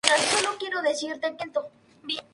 Teresa y Tierras del Tormes.